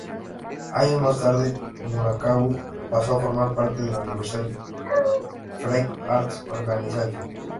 Años más tarde, Murakami pasó a formar parte de Universal Fighting-Arts Organization.